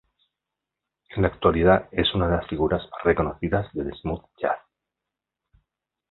En la actualidad es una de las figuras más reconocidas del "smooth jazz".